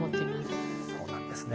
そうなんですね。